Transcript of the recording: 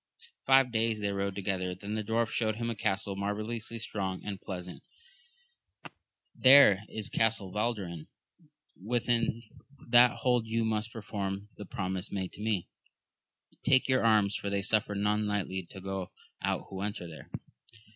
Five days they rode together, then the dwarf showed him a castle marvellously strong aii.d ^\ei^«»L\>^— ^^T^^^^^ 116 AMADIS OF GAUL is Castle Valderin ! within that hold you must perform the promise made to me ; take your arms, for they suffer none lightly to go out who enter there.